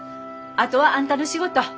あとはあんたの仕事。